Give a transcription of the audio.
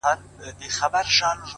گوره په ما باندي ده څومره خپه-